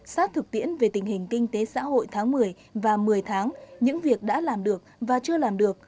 sát thực tiễn về tình hình kinh tế xã hội tháng một mươi và một mươi tháng những việc đã làm được và chưa làm được